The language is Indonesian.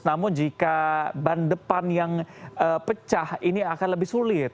namun jika ban depan yang pecah ini akan lebih sulit